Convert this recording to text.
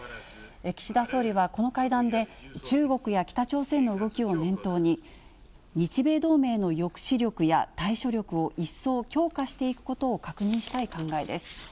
岸田総理はこの会談で、中国や北朝鮮の動きを念頭に、日米同盟の抑止力や対処力を一層強化していくことを確認したい考えです。